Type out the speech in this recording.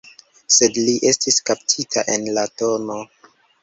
Sed li estis kaptita en la tn.